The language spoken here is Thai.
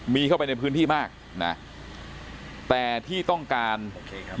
มีเข้าไปในพื้นที่มากนะแต่ที่ต้องการ